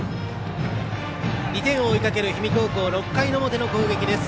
２点を追いかける氷見高校６回の表の攻撃です。